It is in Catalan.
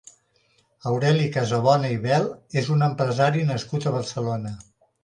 Aureli Casabona i Bel és un empresari nascut a Barcelona.